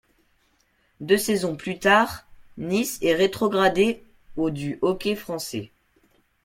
Deux saisons plus tard, Nice est rétrogradé au du hockey français.